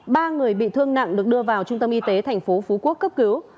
ba người bị thương nặng được đưa vào trung tâm y tế thành phố phú quốc cấp cứu